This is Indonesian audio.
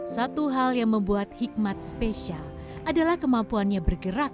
satu hal yang membuat hikmat spesial adalah kemampuannya bergerak